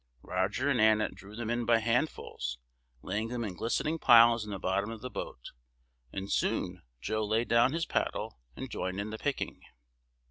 Roger and Annet drew them in by handfuls, laying them in glistening piles in the bottom of the boat, and soon Joe laid down his paddle, and joined in the picking.